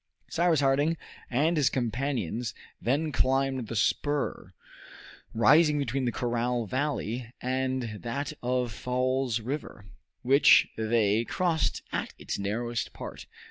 Cyrus Harding and his companions then climbed the spur rising between the corral valley and that of Falls River, which they crossed at its narrowest part.